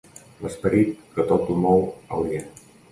L'esperit que tot ho mou a Orient.